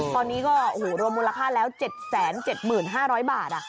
ตอนนี้ก็รวมมูลค่าแล้ว๗๗๕๐๐บาท